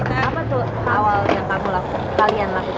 apa tuh awal yang kamu lakukan